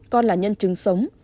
con là nhân chứng sống